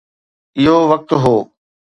اهو وقت هو.